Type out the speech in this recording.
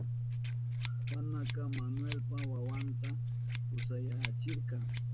Juanaka Manuelpa wawanta kusayachirka.